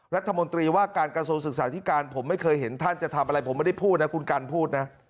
รัฐมนตรีว่าการกระทรวงศึกษาธิการผมไม่เคยเห็นท่านจะทำอะไรผมไม่ได้พูดนะคุณกันพูดนะ